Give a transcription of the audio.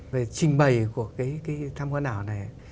trình bày của cái tham quan ảo này